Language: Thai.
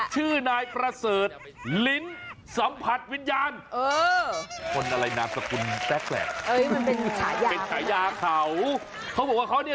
เห้อให้คะแนนก่อนเลยอันนั้นรอฟังคุณก็ได้